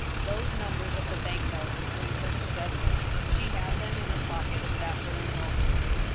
Those numbers of the bank notes were in her possession ; she had them in her pocket at that very moment.